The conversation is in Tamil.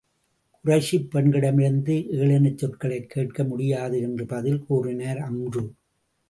குறைஷிப் பெண்களிடமிருந்து ஏளனச் சொற்களைத் கேட்க முடியாது என்று பதில் கூறினார் அம்ரு.